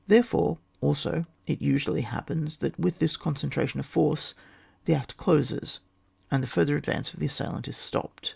Therefore also it usually happens that with this concentration of force the act closes, and the further advance of the assailant is stopped.